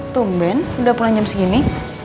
tumben sudah pulang jam segini